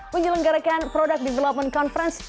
menyelenggarakan product development conference